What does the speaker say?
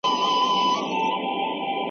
تاسي تل په پوره صلح او ارامۍ کي ژوند کوئ.